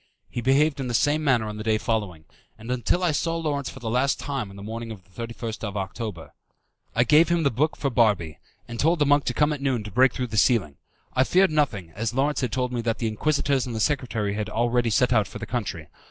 He behaved in the same manner on the day following, and until I saw Lawrence for the last time on the morning of the 31st October. I gave him the book for Barbi, and told the monk to come at noon to break through the ceiling. I feared nothing, as Lawrence had told me that the Inquisitors and the secretary had already set out for the country.